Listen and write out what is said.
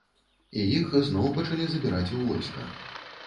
І іх зноў пачалі забіраць у войска.